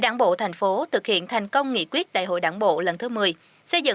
đảng bộ thành phố thực hiện thành công nghị quyết đại hội đảng bộ lần thứ một mươi